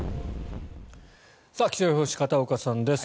気象予報士、片岡さんです